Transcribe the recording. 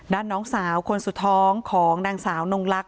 ด้านน้องสาวคนสุท้องของดังสาวนงรัก